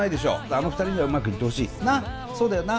あの２人にはうまくいってほしい。な？